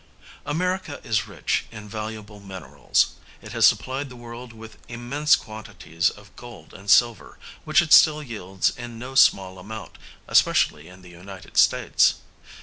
America is rich in valuable minerals. It has supplied the world with immense quantities of gold and silver, which it still yields in no small amount, especially in the United States.